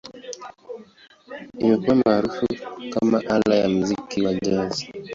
Imekuwa maarufu kama ala ya muziki wa Jazz.